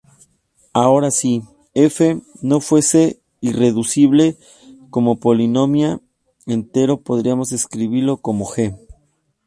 Ahora, si "f" no fuese irreducible como polinomio entero, podríamos escribirlo como "g".